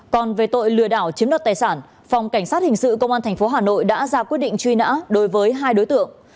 còn về tội lừa đảo chiếm đoạt tài sản phòng cảnh sát hình sự công an tp hà nội đã ra quyết định truy nã đối với hai đối tượng